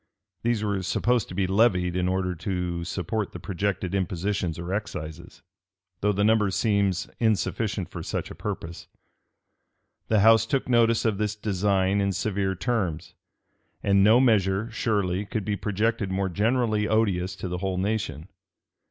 These were supposed to be levied in order to support the projected impositions or excises, though the number seems insufficient for such a purpose,[*] The house took notice of this design in severe terms: and no measure, surely, could be projected more generally odious to the whole nation.